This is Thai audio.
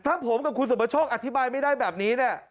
ถ้าผมกับคุณสุประโชคอธิบายไม่ได้แบบนี้เนี่ย